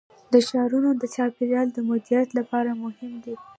دا ښارونه د چاپیریال د مدیریت لپاره مهم دي.